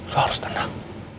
lo harus tenang